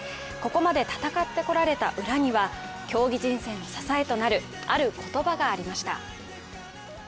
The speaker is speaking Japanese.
ここまで戦ってこられた裏には、競技人生の支えとなるある言葉がありました。